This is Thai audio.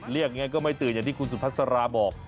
เรียกอย่างนี้ก็ไม่ตื่นอย่างที่คุณสุภัสราบอก